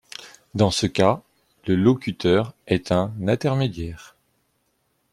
Dans ce cas, le locuteur est un intermédiaire.